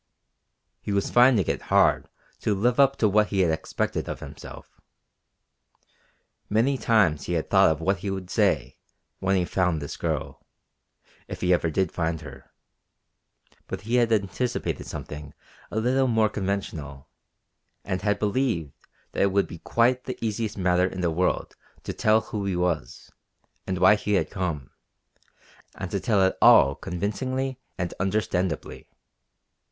He was finding it hard to live up to what he had expected of himself. Many times he had thought of what he would say when he found this girl, if he ever did find her; but he had anticipated something a little more conventional, and had believed that it would be quite the easiest matter in the world to tell who he was, and why he had come, and to tell it all convincingly and understandably.